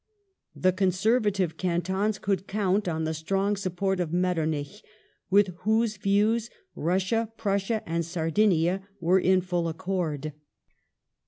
The conservative cantons could count on the strong support of Metter nich, with whose views Russia, Prussia, and Sardinia were in full accord.